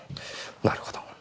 なるほど。